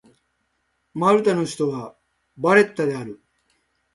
マルタの首都はバレッタである